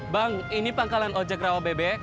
bang ini pangkalan ojek rawabebe